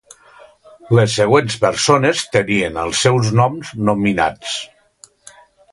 Les següents persones tenien els seus noms nominats.